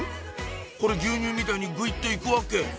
これ牛乳みたいにグイっと行くわけ？